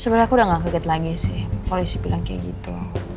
sebenarnya aku udah gak kaget lagi sih polisi bilang kayak gitu